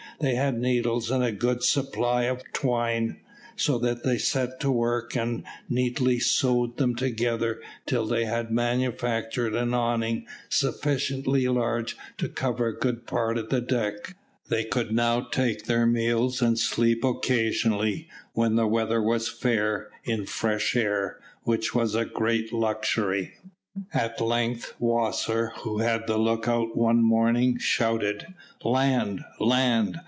They had needles and a good supply of twine, so they set to work and neatly sewed them together till they had manufactured an awning sufficiently large to cover a good part of the deck. They could now take their meals and sleep occasionally, when the weather was fair, in fresh air, which was a great luxury. At length Wasser, who had the lookout one morning, shouted, "Land! land!